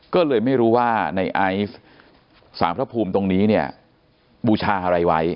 ก็เลยไม่รู้ว่าในไอซ์สารพระภูมิตรงนี้เนี่ยบูชาอะไรไว้